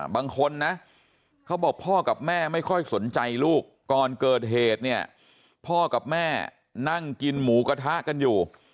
บางคนนะเขาบอกพ่อกับแม่ไม่ค่อยสนใจลูกก่อนเกิดเหตุเนี่ยพ่อกับแม่นั่งกินหมูกระทะกันอยู่